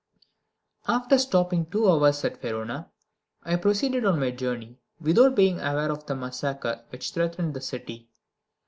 After stopping two hours at Verona, I proceeded on my journey without being aware of the massacre which threatened that city.